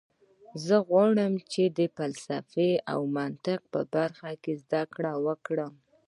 زه غواړم چې د فلسفې او منطق په برخه کې زده کړه وکړم